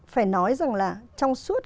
phải nói rằng là trong suốt